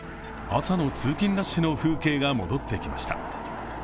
朝の通勤ラッシュの風景が戻ってきました。